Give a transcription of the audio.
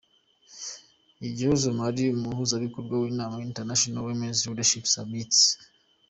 Igihozo Miley umuhuzabikorwa w'inama 'International Women Leadership Summit' .